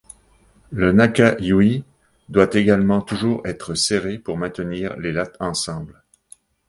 Le naka-yui doit également toujours être serré pour maintenir les lattes ensemble.